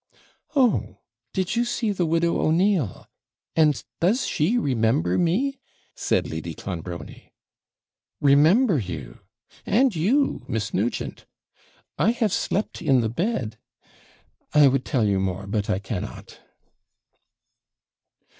'Oh, did you see the widow O'Neill? and does she remember me?' said Lady Clonbrony. 'Remember you! and you, Miss Nugent! I have slept in the bed I would tell you more, but I cannot.'